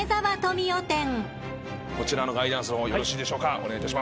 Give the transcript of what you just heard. こちらのガイダンスよろしいでしょうか。